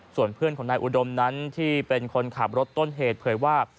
ส่วนเพื่อนของนายอุดมนั้นที่เป็นคนขับรถต้นเหตุเผยว่า